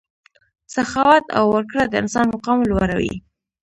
سخاوت او ورکړه د انسان مقام لوړوي.